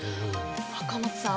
赤松さん